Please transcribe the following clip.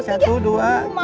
satu dua tiga